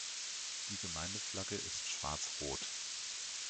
Die Gemeindeflagge ist schwarz-rot.